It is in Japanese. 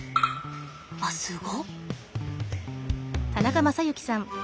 あっすご。